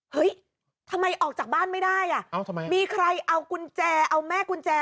เฮ้ยทำไมออกจากบ้านไม่ได้อ่ะเอาทำไมมีใครเอากุญแจเอาแม่กุญแจ